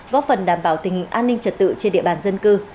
góp phần đảm bảo tình hình an ninh trật tự trên địa bàn dân cư